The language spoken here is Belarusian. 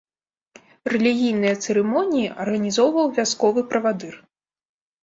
Рэлігійныя цырымоніі арганізоўваў вясковы правадыр.